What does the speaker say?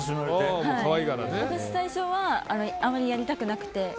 私、最初はあまりやりたくなくて。